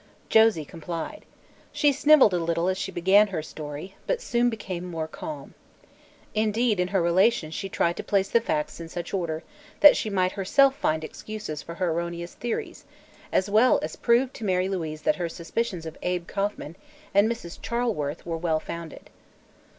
Josie complied. She snivelled a little as she began her story, but soon became more calm. Indeed, in her relation she tried to place the facts in such order that she might herself find excuse for her erroneous theories, as well as prove to Mary Louise that her suspicions of Abe Kauffman and Mrs. Charleworth were well founded.